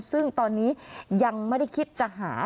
ซึ่งตอนนี้ยังไม่ได้คิดจะหา